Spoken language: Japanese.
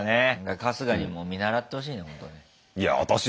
春日にも見習ってほしいね